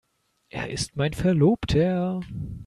Er ist mein Verlobter.